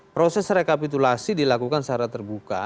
proses rekapitulasi dilakukan secara terbuka